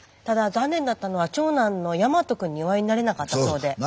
ただ残念だったのは長男の大和君にお会いになれなかったそうで。